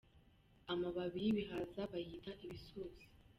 amababi yibihaza bayita ibisusa